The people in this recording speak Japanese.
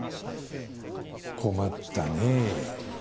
困ったね。